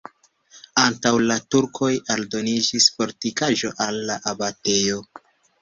Antaŭ la turkoj aldoniĝis fortikaĵo al la abatejo.